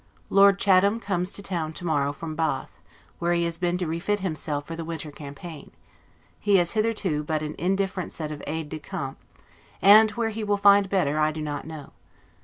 Lord Chatham comes to town to morrow from Bath, where he has been to refit himself for the winter campaign; he has hitherto but an indifferent set of aides decamp; and where he will find better, I do not know.